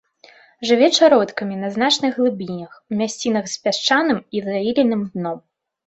Жыве чародкамі на значных глыбінях, у мясцінах з пясчаным і заіленым дном.